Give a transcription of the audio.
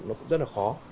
nó cũng rất là khó